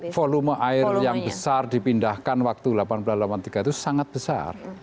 volume air yang besar dipindahkan waktu seribu delapan ratus delapan puluh tiga itu sangat besar